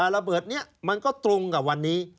ระเบิดนี้มันก็ตรงกับวันนี้